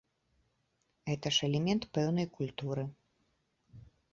Гэта ж элемент пэўнай культуры.